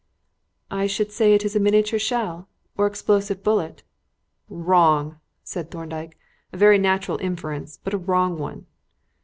"I should say it is a miniature shell or explosive bullet." "Wrong!" said Thorndyke. "A very natural inference, but a wrong one."